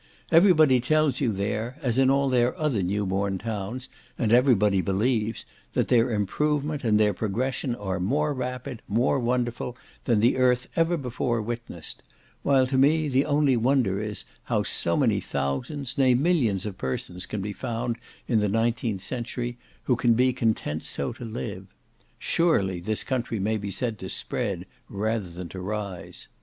Every body tells you there, as in all their other new born towns, and every body believes, that their improvement, and their progression, are more rapid, more wonderful, than the earth ever before witnessed; while to me, the only wonder is, how so many thousands, nay millions of persons, can be found, in the nineteenth century, who can be content so to live. Surely this country may be said to spread rather than to rise.